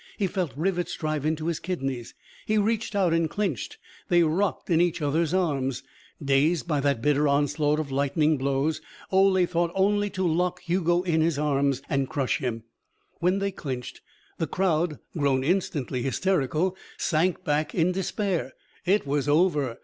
He felt rivets drive into his kidneys. He reached out and clinched. They rocked in each other's arms. Dazed by that bitter onslaught of lightning blows, Ole thought only to lock Hugo in his arms and crush him. When they clinched, the crowd, grown instantly hysterical, sank back in despair. It was over.